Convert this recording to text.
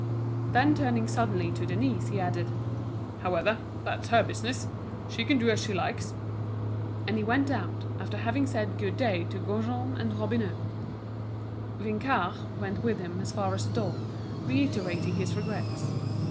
Then turning suddenly to Denise, he added: "However, that's her business. She can do as she likes." And he went out, after having said "good day" to Gaujean and Robineau. Vinçard went with him as far as the door, reiterating his regrets.